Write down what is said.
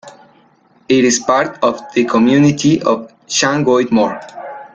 It is part of the Community of Llangoedmor.